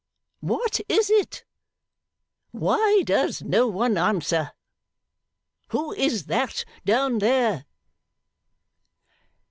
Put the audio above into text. What is it? Why does no one answer? Who is that, down there?